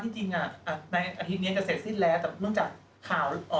แต่เมื่อจากข่าวออกไป